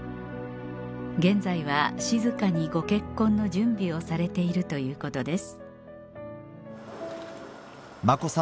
現在は静かにご結婚の準備をされているということです